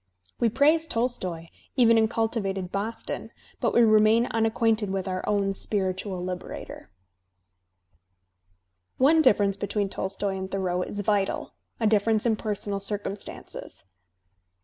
We praise Tolstoy, even in cultivated Boston, but we remain unacquainted with our own spiritual Uberator. Digitized by Google THOREAU 175 One diflference between Tolstoy and Thoreau is vital, a difference in personal circumstances.